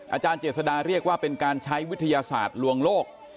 อาจารย์เจษฎาเรียกว่าเป็นการใช้วิทยาศาสตร์ลวงโลก